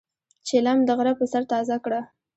چیلم د غرۀ پۀ سر تازه کړه.